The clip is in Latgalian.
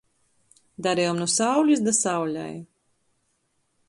Darejom nu saulis da saulei.